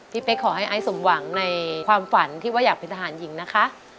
เป๊กขอให้ไอซ์สมหวังในความฝันที่ว่าอยากเป็นทหารหญิงนะคะ